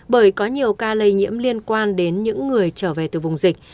bởi có nhiều ca lây nhiễm liên quan đến những người trở về từ vùng dịch